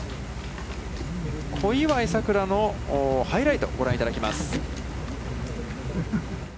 小祝さくらのハイライトご覧いただきます。